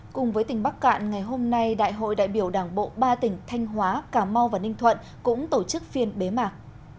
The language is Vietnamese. cùng với tỉnh bắc cạn ngày hôm nay đại hội đại biểu đảng bộ ba tỉnh thanh hóa cà mau và ninh thuận cũng tổ chức phiên bế mạc